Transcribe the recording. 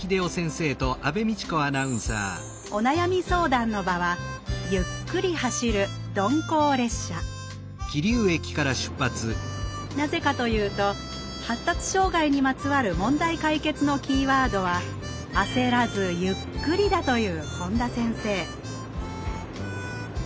お悩み相談の場はゆっくり走る鈍行列車なぜかというと発達障害にまつわる問題解決のキーワードは「あせらずゆっくり」だという本田先生